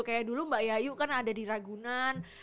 kayak dulu mbak yayu kan ada di ragunan